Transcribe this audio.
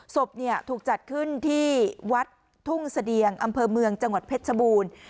ศพถูกจัดขึ้นที่วัดทุ่งเสดียงอำเภอเมืองจังหวัดเพชรชบูรณ์